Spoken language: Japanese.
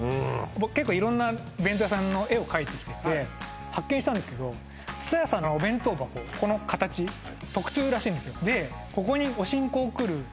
僕結構色んな弁当屋さんの絵を描いてきてて発見したんですけどこの形特注らしいんですよで